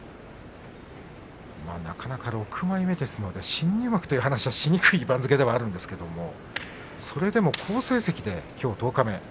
なかなか６枚目ですから新入幕という話はしにくい番付なんですがそれでも好成績できょう十日目。